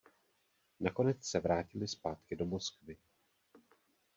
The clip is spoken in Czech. Nakonec se vrátili zpátky do Moskvy.